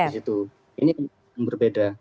di situ ini berbeda